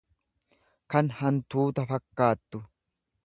kan hantuuta fakkaattu.